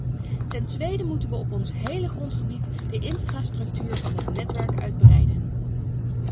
Ten tweede moeten we op ons hele grondgebied de infrastructuur van het netwerk uitbreiden.